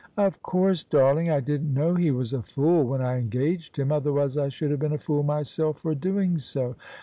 " Of course, darling, I didn't know he was a fool when I engaged him: otherwise I should have been a fool myself for doing so."